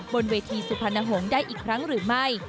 บนเวทีสุพรรณหงษ์ได้อีกครั้งหรือไม่